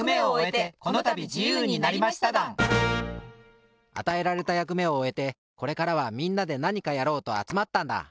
ぼくたちあたえられたやくめをおえてこれからはみんなでなにかやろうとあつまったんだ。